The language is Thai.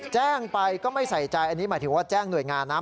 แจ้งไปก็ไม่ใส่ใจอันนี้หมายถึงว่าแจ้งหน่วยงานนะ